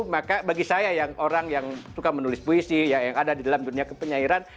maka bagi saya yang orang yang suka menulis puisi yang ada di dalam dunia kepenyairan